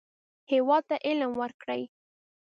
هېواد ته علم ورکړئ